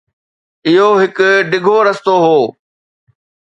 اهو هڪ ڊگهو رستو هو.